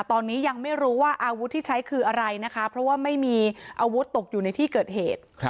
ตอนนี้ยังไม่รู้ว่าอาวุธที่ใช้คืออะไรนะคะเพราะว่าไม่มีอาวุธตกอยู่ในที่เกิดเหตุ